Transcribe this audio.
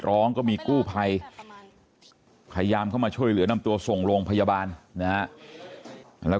ก็มีกู้ภัยพยายามเข้ามาช่วยเหลือนำตัวส่งโรงพยาบาลนะฮะแล้ว